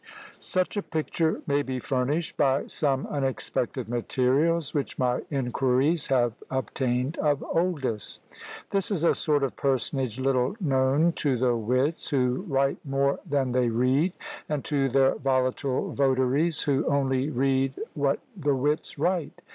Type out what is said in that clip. Such a picture may be furnished by some unexpected materials which my inquiries have obtained of Oldys. This is a sort of personage little known to the wits, who write more than they read, and to their volatile votaries, who only read what the wits write.